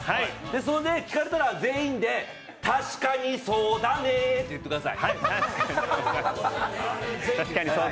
それで聴かれたら全員で、「確かにそうだね」って言ってください。